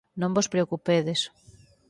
Non vos preocupedes.